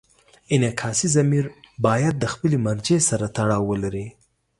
انعکاسي ضمیر باید له خپلې مرجع سره تړاو ولري.